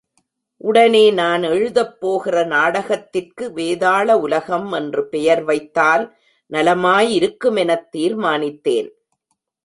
உடனே நான் எழுதப் போகிற நாடகத்திற்கு வேதாள உலகம் என்று பெயர் வைத்தால் நலமாயிருக்கு மெனத் தீர்மானித்தேன்.